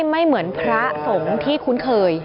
ไม่เหมือนพระสงฆ์ที่คุ้นเคย